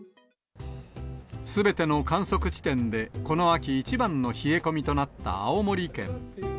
すべての観測地点でこの秋一番の冷え込みとなった青森県。